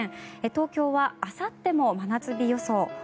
東京はあさっても真夏日予想。